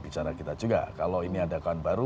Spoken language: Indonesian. bicara kita juga kalau ini ada kawan baru